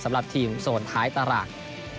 สำหรับทีมโซนท้ายตาราง